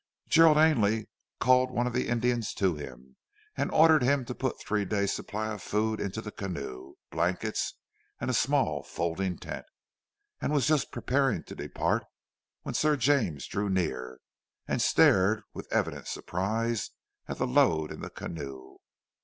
Gerald Ainley called one of the Indians to him, and ordered him to put three days' supply of food into the canoe, blankets and a small folding tent, and was just preparing to depart when Sir James drew near, and stared with evident surprise at the load in the canoe.